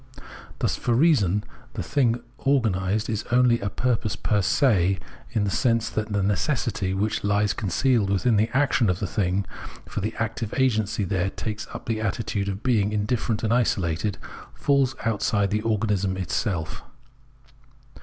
Thus for reason the thing organised is only a purpose per se in the sense that the necessity, which lies concealed within the action of the thing — for the active agency there takes up the attitude of being indifferent and isolated — falls outside the organism itself.